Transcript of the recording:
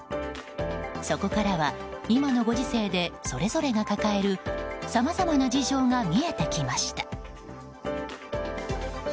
そこからは、今のご時世でそれぞれが抱えるさまざまな事情が見えてきました。